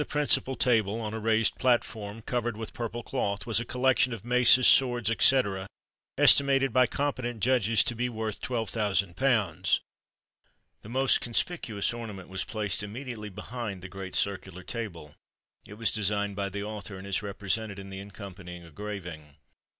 ] principal table, on a raised platform, covered with purple cloth, was a collection of maces, swords, &c., estimated by competent judges to be worth £12,000. The most conspicuous ornament was placed immediately behind the great circular table; it was designed by the author, and is represented in the accompanying engraving.